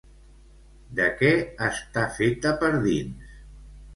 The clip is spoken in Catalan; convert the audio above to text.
De què està feta per dins?